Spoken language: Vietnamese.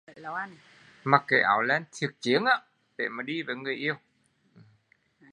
Mặc cái áo len thiệt chiến để đi với người yêu